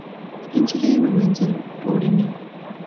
نجلۍ ومینځل پوړني